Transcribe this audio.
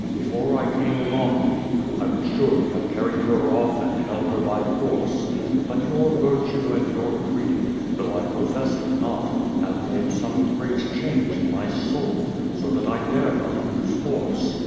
Before I came among ye, I would surely liave carried her off and held her by force. But your virtue and your creed, though I i)rofess it not, have made some great cliangc in my soul, so that I dare not use force.